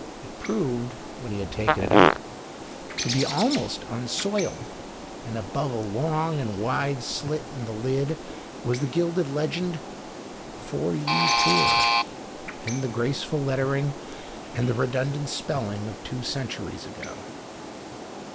It proved, when he had taken it up, to be almost unsoiled, and above a long and wide slit in the lid was the gilded legend, " for ye poore " in the graceful lettering and the redundant spelling of two centuries ago.